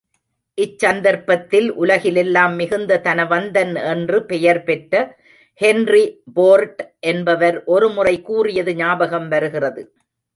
இச் சந்தர்ப்பத்தில், உலகிலெல்லாம் மிகுந்த தனவந்தன் என்று பெயர்பெற்ற ஹென்றி போர்ட் என்பவர் ஒருமுறை கூறியது ஞாபகம் வருகிறது.